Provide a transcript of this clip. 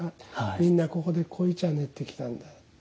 みんなここで濃茶練ってきたんだ。